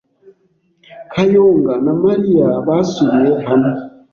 Kayonga na Mariya basubiye hamwe.